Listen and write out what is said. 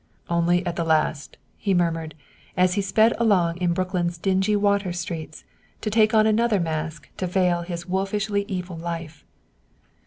"Only at the last," he murmured, as he sped along in Brooklyn's dingy water streets to take on another mask to veil his wolfishly evil life.